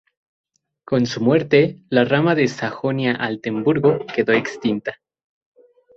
Con su muerte, la rama de Sajonia-Altenburgo quedó extinta.